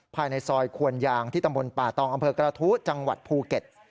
ภายในซอยควนยางที่ตำบลป่าตองอำเภอกระทู้จังหวัดภูเก็ต